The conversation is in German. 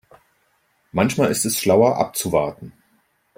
Manchmal ist es schlauer abzuwarten.